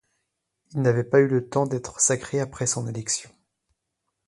Il n'avait pas eu le temps d'être sacré après son élection.